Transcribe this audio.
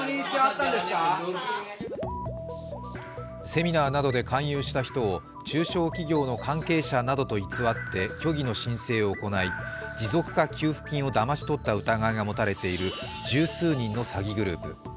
セミナーなどで勧誘した人を中小企業の関係者などと偽って虚偽の申請を行い、持続化給付金をだまし取った疑いが持たれている十数人の詐欺グループ。